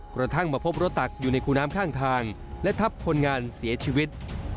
กระทั่งมาพบรถตักอยู่ในคูน้ำข้างทางและทับคนงานเสียชีวิต